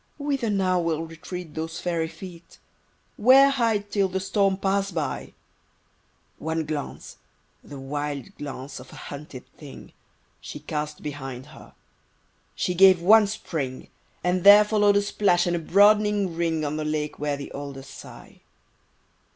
Whither now will retreat those fairy feet? Where hide till the storm pass by? One glance—the wild glance of a hunted thing— She cast behind her; she gave one spring; And there follow'd a splash and a broadening ring On the lake where the alders sigh.